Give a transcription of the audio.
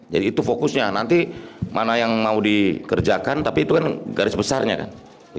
jadi itu fokusnya nanti mana yang mau dikerjakan tapi itu kan garis besarnya kan